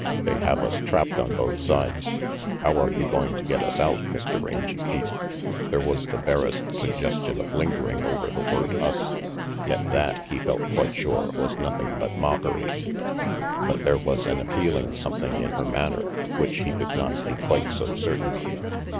"They have us trapped on both sides. How are you going to get us out, Mr. Rangy Pete?" There was the barest suggestion of lingering over the word us; yet that, he felt quite sure, was nothing but mockery. But there was an appealing something in her manner of which he could not be quite so certain.